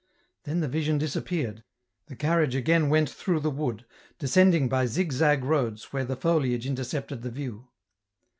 Then the vision disappeared, the carriage again went through the wood, descending by zig zag roads where the foliage intercepted the view.